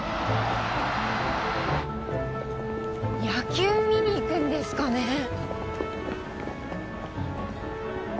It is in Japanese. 野球見に行くんですかね？